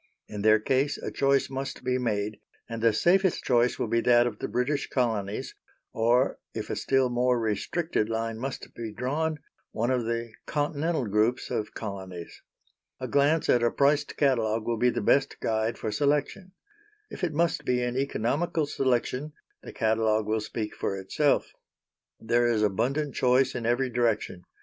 In their case a choice must be made, and the safest choice will be that of the British Colonies, or, if a still more restricted line must be drawn, one of the Continental groups of Colonies. A glance at a priced catalogue will be the best guide for selection. If it must be an economical selection, the catalogue will speak for itself. There is abundant choice in every direction.